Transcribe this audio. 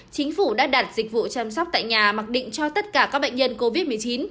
chính phủ đã đặt dịch vụ chăm sóc tại nhà mặc định cho tất cả các bệnh nhân covid một mươi chín